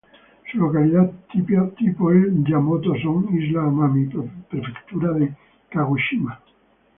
Su localidad tipo es Yamato-son, Isla Amami, Prefectura de Kagoshima.